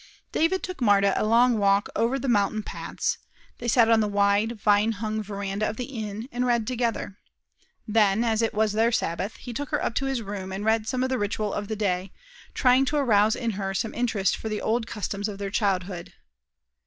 David took Marta a long walk over the mountain paths. They sat on the wide, vine hung veranda of the inn, and read together. Then, as it was their Sabbath, he took her up to his room, and read some of the ritual of the day, trying to arouse in her some interest for the old customs of their childhood.